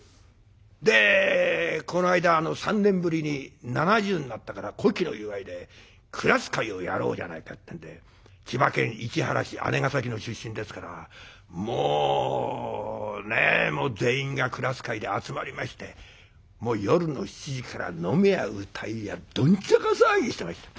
でこの間３年ぶりに７０になったから古希の祝いでクラス会をやろうじゃないかってんで千葉県市原市姉ヶ崎の出身ですからもうね全員がクラス会で集まりまして夜の７時から飲めや歌えやどんちゃか騒ぎしてました。